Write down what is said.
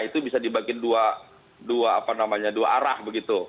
itu bisa dibagi dua arah begitu